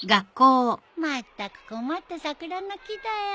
まったく困った桜の木だよ。